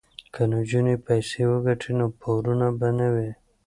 که نجونې پیسې وګټي نو پورونه به نه وي.